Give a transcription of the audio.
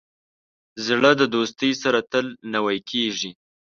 زړه د دوستۍ سره تل نوی کېږي.